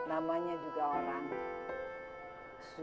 namanya juga orang